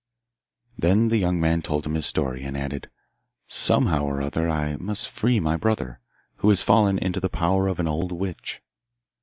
Then the young man told him his story, and added. 'Somehow or other I must free my brother, who has fallen into the power of an old witch.